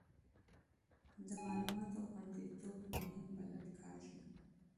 د معلوماتو خوندیتوب مهم بلل کېږي.